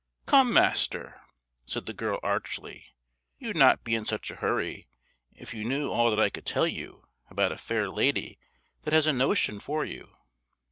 "Come, my master," said the girl archly, "you'd not be in such a hurry, if you knew all that I could tell you about a fair lady that has a notion for you.